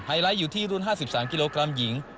ไลท์อยู่ที่รุ่น๕๓กิโลกรัมหญิง